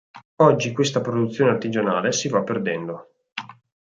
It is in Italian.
Oggi questa produzione artigianale si va perdendo.